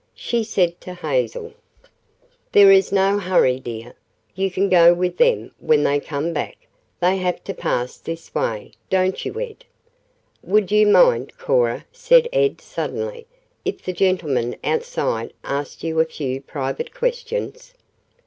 She said to Hazel: "There is no hurry, dear. You can go with them when they come back. They have to pass this way, don't you, Ed?" "Would you mind, Cora," said Ed suddenly, "if the gentleman outside asked you a few private questions?"